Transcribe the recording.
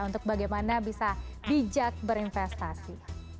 untuk bagaimana bisa bijak berinvestasi